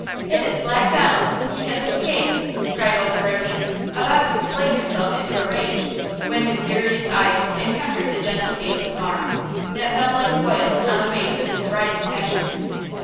"It is Black Donald–he has escaped!" cried Old Hurricane, about to fling himself into a rage, when his furious eyes encountered the gentle gaze of Marah, that fell like oil on the waves of his rising passion.